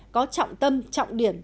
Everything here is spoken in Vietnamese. có trọng tâm trọng điểm